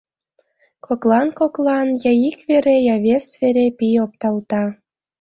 Коклан-коклан я ик вере, я вес вере пий опталта.